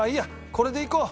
これでいこう！